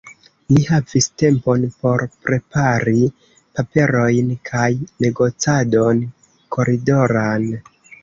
Ni havis tempon por prepari paperojn kaj negocadon koridoran.